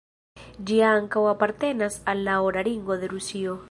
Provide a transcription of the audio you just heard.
Ĝia ankaŭ apartenas al la Ora Ringo de Rusio.